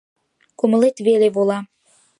Кумылет веле вола.